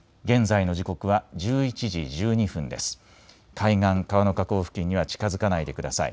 海岸、川の河口付近には近づかないでください。